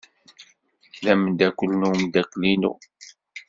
D ameddakel n umeddakel-inu.